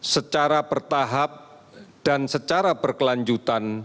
secara bertahap dan secara berkelanjutan